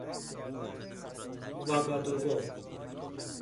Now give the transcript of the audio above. واگادوگو